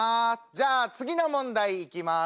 じゃあ次の問題いきます。